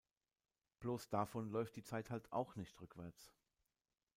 Bloß davon läuft die Zeit halt auch nicht rückwärts.